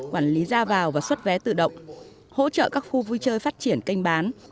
quản lý ra vào và xuất vé tự động hỗ trợ các khu vui chơi phát triển kênh bán